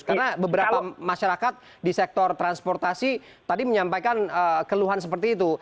karena beberapa masyarakat di sektor transportasi tadi menyampaikan keluhan seperti itu